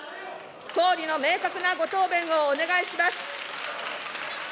総理の明確なご答弁をお願いします。